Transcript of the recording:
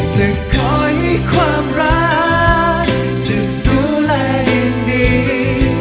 ขอให้ความรักจะดูแลอย่างดี